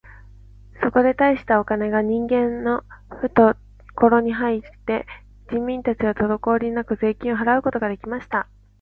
そこで大したお金が人々のふところに入って、人民たちはとどこおりなく税金を払うことが出来ました。